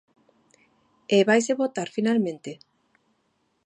E vaise votar finalmente?